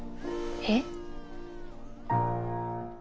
えっ？